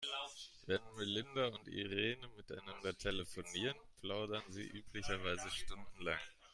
Wenn Melinda und Irene miteinander telefonieren, plaudern sie üblicherweise stundenlang.